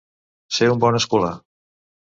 Ser un bon escolà.